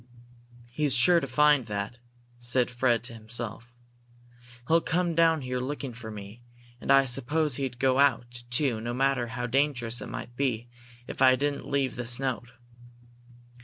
"He's sure to find that," said Fred to himself. "He'll come down here looking for me, and I suppose he'd go out, too, no matter how dangerous it might be, if I didn't leave this note."